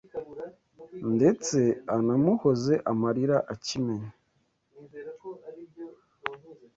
ndetse anamuhoze amarira akimenya